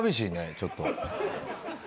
ちょっと。